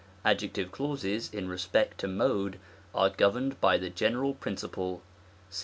Adjective clauses in respect to mode are gov erned by the general principle (§133).